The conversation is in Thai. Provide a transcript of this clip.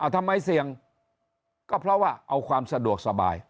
ทำไมเสี่ยงก็เพราะว่าเอาความสะดวกสบาย